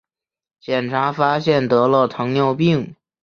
检查发现得了糖尿病